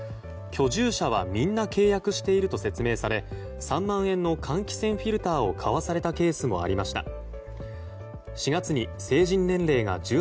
居住者はみんな契約していると説明され３万円の換気扇フィルターを買わされたケースもありました。